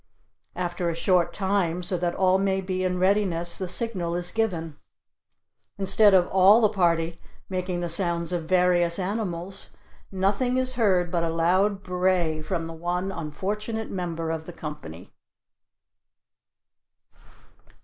After a short time, so that all may be in readiness, the signal is given. Instead of all the party making the sounds of various animals, nothing is heard but a loud bray from the one unfortunate member of the company.